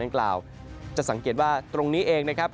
กล่าวจะสังเกตว่าตรงนี้เองนะครับ